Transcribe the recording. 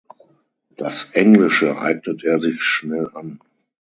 Das Englische eignet er sich schnell an.